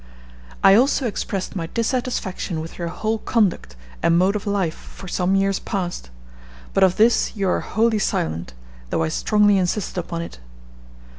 I also expressed my dissatisfaction with your whole conduct and mode of life for some years past. But of this you are wholly silent, though I strongly insisted upon it.